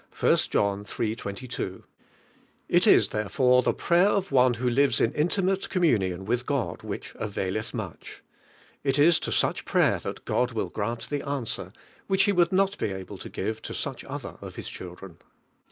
John iii. 22), li is Ihorefore the prayer of one who lives in intimate communion with Sod which "avail' lli much." It is to such prayer that God will grant the answer, which lie would not be able to give to such other of ITis children.